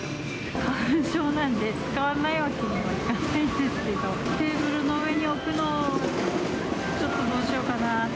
花粉症なんで、使わないわけにはいかないんですけど、テーブルの上に置くのはちょっとどうしようかなって。